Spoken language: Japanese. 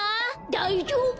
だいじょうぶ。